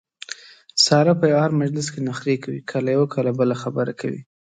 ساره په هر مجلس کې نخرې کوي کله یوه کله بله خبره کوي.